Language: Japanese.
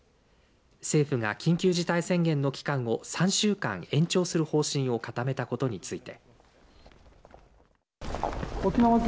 政府が緊急事態宣言の期間を３週間延長する方針を固めたことについて。